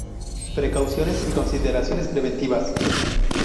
Precauciones y consideraciones preventivas